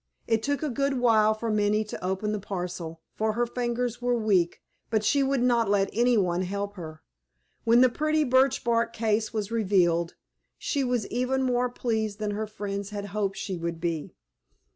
It took a good while for Minnie to open the parcel, for her fingers were weak, but she would not let any one help her. When the pretty birch bark case was revealed, she was even more pleased than her friends had hoped she would be.